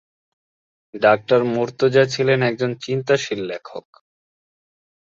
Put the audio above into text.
ডঃ মুর্তজা ছিলেন একজন চিন্তাশীল লেখক।